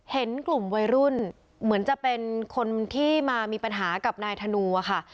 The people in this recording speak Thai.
เห็นกลุ่มวัยรุ่นเหมือนจะเป็นคนที่มามีปัญหากับนายธนูอะค่ะ